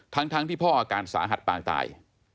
ทั้งที่พ่ออาการสาหัสปางตาย